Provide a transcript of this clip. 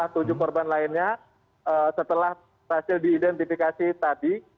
tujuh korban lainnya setelah berhasil diidentifikasi tadi